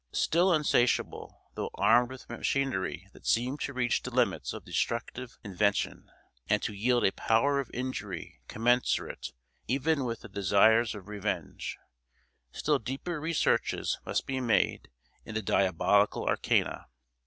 Still insatiable, though armed with machinery that seemed to reach the limits of destructive invention, and to yield a power of injury commensurate even with the desires of revenge still deeper researches must be made in the diabolical arcana.